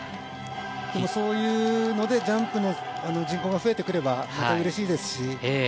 そういうのでジャンプの人口も増えてくればうれしいですし